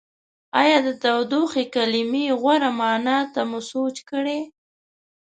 ایا د تودوخې کلمې غوره معنا ته مو سوچ کړی؟